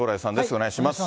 お願いします。